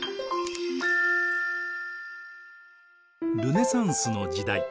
ルネサンスの時代。